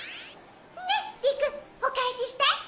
ねっ理久お返しして。